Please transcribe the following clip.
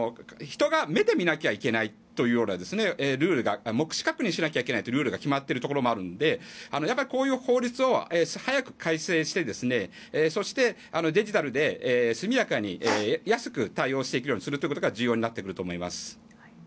人が目で見なきゃいけないというルール目視確認しなきゃいけないというルールが決まっているところがあるのでこういう法律を早く改正してそしてデジタルで速やかに安く対応できるようにすることが重要になってくると思います。